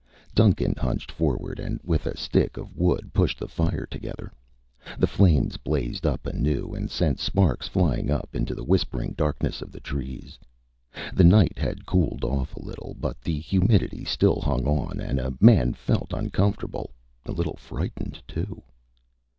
Duncan hunched forward and with a stick of wood pushed the fire together. The flames blazed up anew and sent sparks flying up into the whispering darkness of the trees. The night had cooled off a little, but the humidity still hung on and a man felt uncomfortable a little frightened, too.